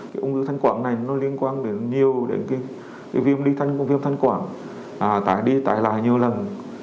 cái ung thư thanh quản này nó liên quan đến nhiều đến cái viêm đi thanh quản viêm thanh quản tải đi tải lại nhiều lần